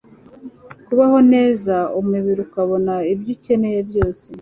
kubaho neza, umubiri ukabona ibyo ukeneye byose,